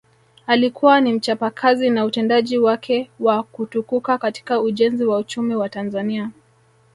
Alikuwa ni mchapakazi na utendaji wake wa kutukuka katika ujenzi wa uchumi wa Tanzania